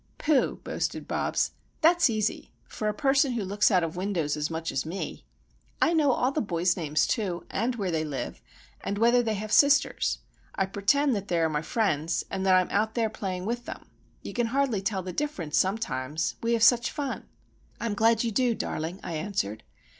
"Pooh!" boasted Bobs, "that's easy;—for a person who looks out of windows as much as me. I know all the boys' names, too, and where they live, and whether they have sisters. I pertend that they are my friends, and that I'm out there playing with them. You can hardly tell the difference, sometimes! We have such fun." "I'm glad you do, darling," I answered.